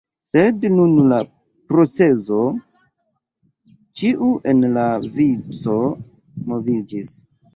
Sed dum la procezo, ĉiu en la vico moviĝis.